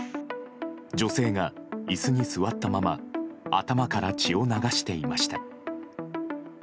女性が椅子に座ったまま頭から血を流していました。